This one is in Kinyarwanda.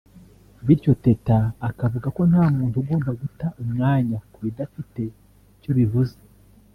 Bityo Teta akavuga ko nta muntu ugomba guta umwanya ku bidafite icyo bivuze